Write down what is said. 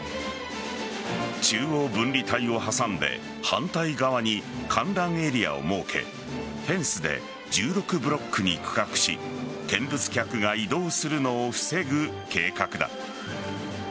中央分離帯を挟んで反対側に観覧エリアを設けフェンスで１６ブロックに区画し見物客が移動するのを防ぐ計画だ。